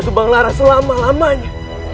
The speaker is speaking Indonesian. sebang lara selama lamanya